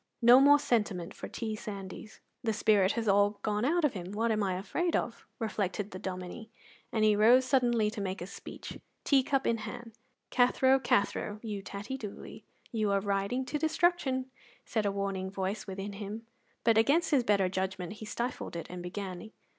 No more sentiment for T. Sandys. "The spirit has all gone out of him; what am I afraid of?" reflected the Dominie, and he rose suddenly to make a speech, tea cup in hand. "Cathro, Cathro, you tattie doolie, you are riding to destruction," said a warning voice within him, but against his better judgment he stifled it and began.